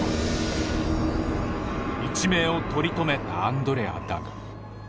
一命を取り留めたアンドレアだが。